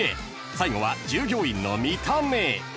［最後は従業員の見た目］